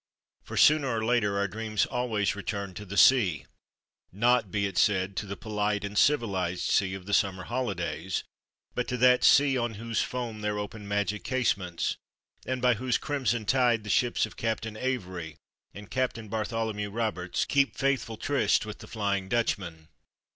For sooner or later our dreams always returned to the sea not, be it said, to the polite and civilised sea of the summer holidays, but to that sea on whose foam there open magic casements, and by whose crimson tide the ships of Captain Avery and Captain Bartholomew Roberts keep faithful tryst with the Flying Dutchman.